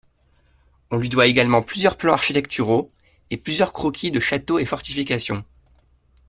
On lui doit également plusieurs plans architecturaux et plusieurs croquis de châteaux et fortifications.